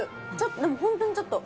でも本当にちょっと。